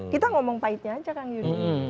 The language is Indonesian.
kita ngomong pahitnya aja kang yudi